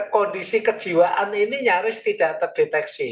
kondisi kejiwaan ini nyaris tidak terdeteksi